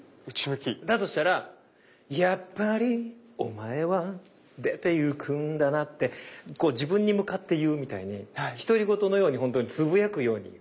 だとしたら「やっぱりお前は出て行くんだな」ってこう自分に向かって言うみたいに独り言のようにほんとにつぶやくように言う。